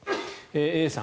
Ａさん